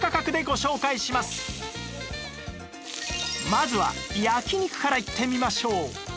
まずは焼肉からいってみましょう！